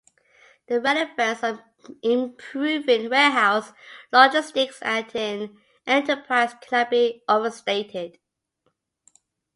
The relevance of improving warehouse logistics at an enterprise cannot be overstated.